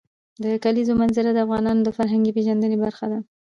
د کلیزو منظره د افغانانو د فرهنګي پیژندنې برخه ده.